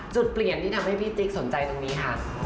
จุดเปลี่ยนที่ทำให้พี่ติ๊กสนใจตรงนี้ค่ะ